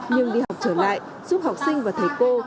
nhưng đi học trở lại giúp học sinh và thầy cô